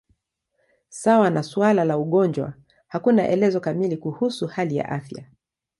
Sawa na suala la ugonjwa, hakuna elezo kamili kuhusu hali ya afya.